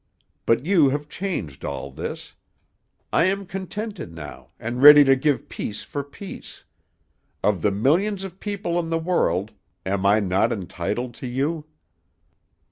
But you have changed all this; I am contented now, and ready to give peace for peace. Of the millions of people in the world, am I not entitled to you?"